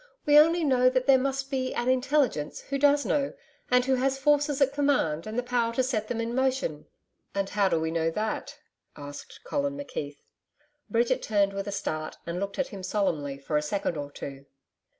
We only know that there must be an Intelligence who does know and who has forces at command and the power to set them in motion."' 'And how do we know that?' asked Colin McKeith. Bridget turned with a start and looked at him solemnly for a second or two.